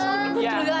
mas ini bukan mama